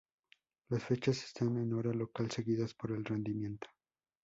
Las fechas están en hora local, seguidas por el rendimiento.